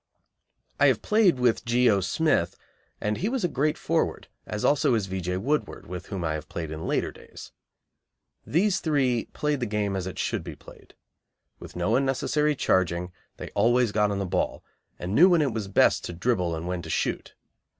I have played with G. O. Smith, and he was a great forward, as also is V. J. Woodward, with whom I have played in later days. These three played the game as it should be played. With no unnecessary charging, they always got on the ball, and knew when it was best to dribble and when to shoot.